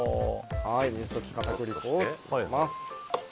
水溶き片栗粉を加えます。